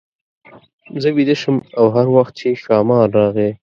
زه بېده شم او هر وخت چې ښامار راغی.